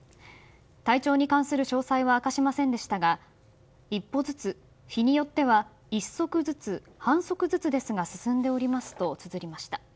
体調に関する詳細は明かしませんでしたが一歩ずつ、日によっては一足ずつ半足ずつですが進んでおりますとつづりました。